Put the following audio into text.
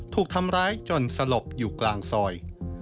ถูกทำร้ายจนสลบอยู่กลางซอย